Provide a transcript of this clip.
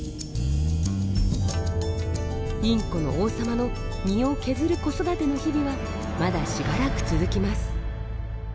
インコの王様の身を削る子育ての日々はまだしばらく続きます。